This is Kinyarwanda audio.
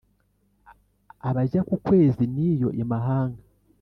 Abajya ku kwezi n’iyo i Mahanga